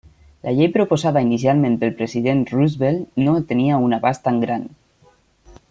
La llei proposada inicialment pel President Roosevelt no tenia un abast tan gran.